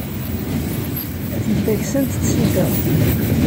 Atent-a ksant tsita.